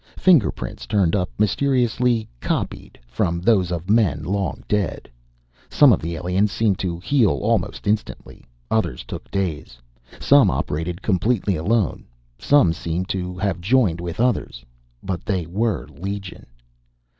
Fingerprints turned up mysteriously "copied" from those of men long dead. Some of the aliens seemed to heal almost instantly; others took days. Some operated completely alone; some seemed to have joined with others. But they were legion.